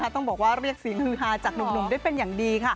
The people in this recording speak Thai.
ต้องบอกว่าเรียกเสียงฮือฮาจากหนุ่มได้เป็นอย่างดี